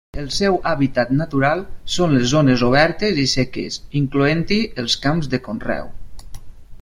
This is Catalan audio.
El seu hàbitat natural són les zones obertes i seques, incloent-hi els camps de conreu.